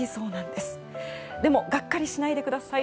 でもがっかりしないでください。